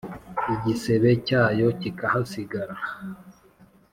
Igisebe cyayo kikahasigara.